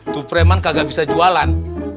to preman kagak bisa jualan